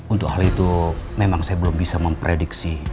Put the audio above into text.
untuk hal itu memang saya belum bisa memprediksi